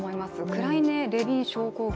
クライネ・レビン症候群